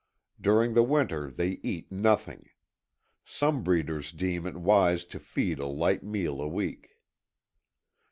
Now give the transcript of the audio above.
During the winter they eat nothing. Some breeders deem it wise to feed a light meal a week.